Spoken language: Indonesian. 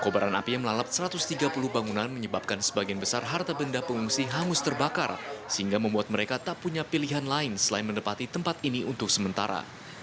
kobaran api yang melalap satu ratus tiga puluh bangunan menyebabkan sebagian besar harta benda pengungsi hangus terbakar sehingga membuat mereka tak punya pilihan lain selain menempati tempat ini untuk sementara